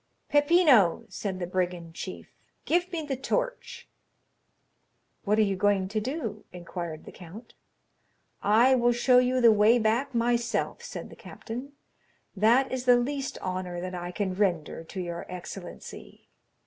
"Peppino," said the brigand chief, "give me the torch." "What are you going to do?" inquired the count. "I will show you the way back myself," said the captain; "that is the least honor that I can render to your excellency."